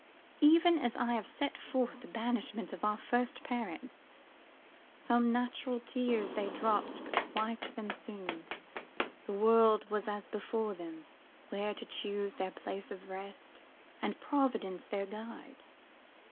Even as I have set forth the banishment of our first parents: Some natural tears they dropped, but wiped them soon; The world was all before them, where to choose Their place of rest, and Providence their guide.